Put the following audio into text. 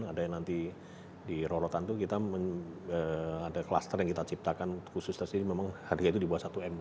ada yang nanti di rorotan itu kita ada kluster yang kita ciptakan khususnya di sini memang harga itu di bawah satu m